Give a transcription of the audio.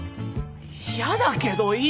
やだけどいい！